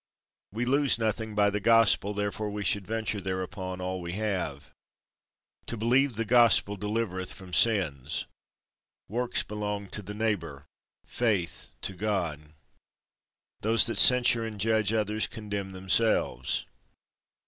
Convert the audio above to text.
We lose nothing by the Gospel, therefore we should venture thereupon all we have. To believe the Gospel, delivereth from sins. Works belong to the neighbour, faith to God. Those that censure and judge others, condemn themselves.